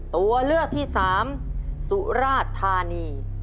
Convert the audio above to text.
ตัวเลือกที่สามสุราธานี